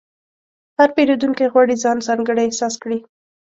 هر پیرودونکی غواړي ځان ځانګړی احساس کړي.